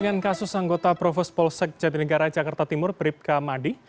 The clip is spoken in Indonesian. dengan kasus anggota provos polsek jatinegara jakarta timur bribka madi